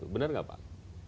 benar nggak pak